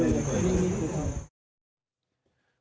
เคยเจอเลยไม่มี